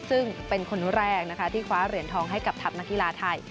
ซึ่งเป็นคนแรกนะคะที่คว้าเหรียญทองให้กับทัพนักกีฬาไทย